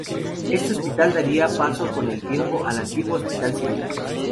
Este hospital daría paso con el tiempo al antiguo "Hospital Civil".